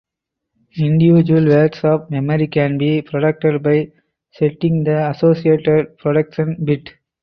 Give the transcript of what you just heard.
Individual words of memory can be protected by setting the associated protection bit.